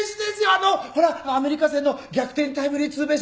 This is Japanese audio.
あのほらアメリカ戦の逆転タイムリーツーベース。